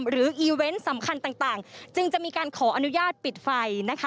หรืออีเว้นสำคัญต่างจึงจะมีการขออนุญาตปิดไฟ